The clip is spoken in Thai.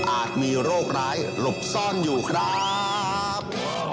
มีโรคร้ายหลบซ่อนอยู่ครับ